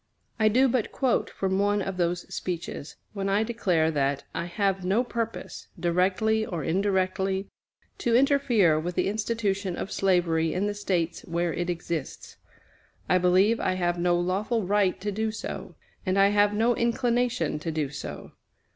I do but quote from one of those speeches, when I declare that "I have no purpose, directly or indirectly, to interfere with the institution of slavery in the States where it exists." I believe I have no lawful right to do so; and I have no inclination to do so.